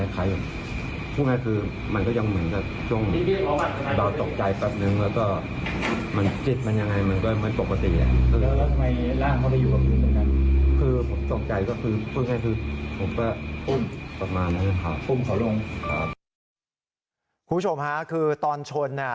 คุณผู้ชมค่ะคือตอนชน